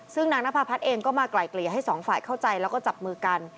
ซึ่งนางนภาพัฒน์เองก็มาไกลเกลี่ยให้สองฝ่ายเข้าใจแล้วก็จับมือกัน